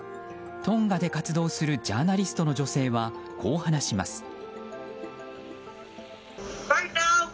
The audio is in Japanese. トンガで活動するジャーナリストの女性はこう話します。